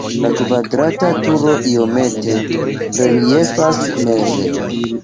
La kvadrata turo iomete reliefas meze.